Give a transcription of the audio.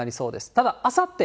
ただあさって